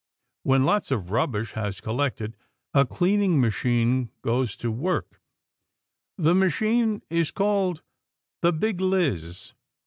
When lots of rubbish has collected, a cleaning machine goes to work. The machine is called the Big Liz.